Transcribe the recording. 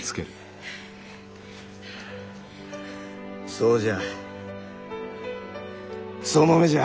そうじゃその目じゃ！